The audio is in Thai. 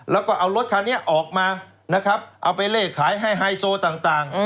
แล้วก็เอารถคันนี้ออกมานะครับเอาไปเลขขายให้ไฮโซต่าง